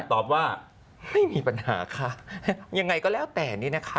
ตอบว่าไม่มีปัญหาค่ะยังไงก็แล้วแต่นี่นะคะ